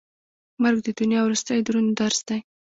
مرګ د دنیا وروستی دروند درس دی.